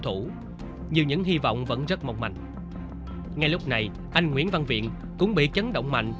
thủ nhiều những hy vọng vẫn rất mong mạnh ngay lúc này anh nguyễn văn viện cũng bị chấn động mạnh